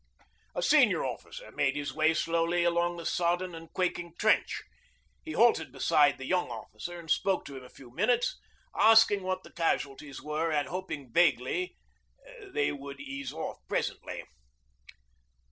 A senior officer made his way slowly along the sodden and quaking trench. He halted beside the young officer and spoke to him a few minutes, asking what the casualties were and hoping vaguely 'they would ease off presently.'